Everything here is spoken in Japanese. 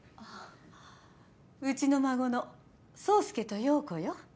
うちの孫の宗介と葉子よ。